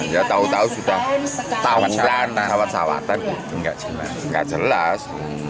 ya tahu tahu kita tawuran tawat sawatan nggak jelas